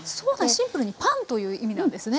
シンプルにパンという意味なんですね。